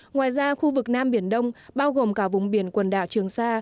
ngoài ra khu vực nam biển đông bao gồm cả vùng biển quần đảo trường sa